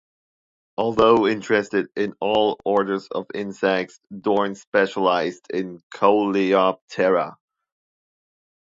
Although interested in all orders of insects Dohrn specialised in Coleoptera.